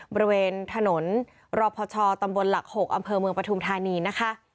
บริเวณถนนรพชตำบลหลัก๖อำเภอเมืองปฐุมธานีนะคะ